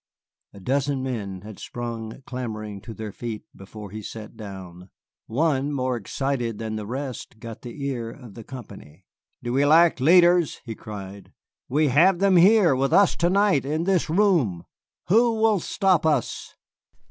A dozen men had sprung clamoring to their feet before he sat down. One, more excited than the rest, got the ear of the company. "Do we lack leaders?" he cried. "We have them here with us to night, in this room. Who will stop us?